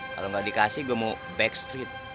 kalo gak dikasih gua mau backstreet